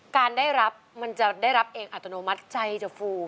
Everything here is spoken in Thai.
การได้รับมันจะได้รับเองอัตโนมัติใจจะฟู